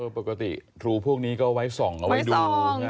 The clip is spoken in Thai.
ปกติทรูพวกนี้ก็ไว้ส่องเอาไว้ดู